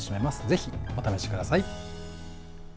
ぜひ、お試しください。